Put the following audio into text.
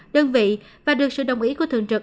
đơn vị và được sự đồng ý của thường trực